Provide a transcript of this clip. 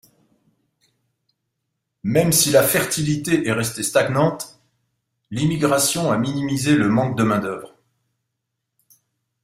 Même si la fertilité est restée stagnante, l'immigration a minimisé le manque de main-d'œuvre.